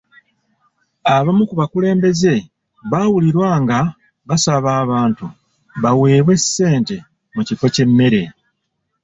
Abamu ku bakulembeze baawulirwa nga basaba abantu baweebwe ssente mu kifo ky'emmere.